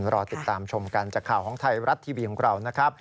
รอติดตามชมกันจากข่าวของไทยรัฐทีวีของเรานะครับ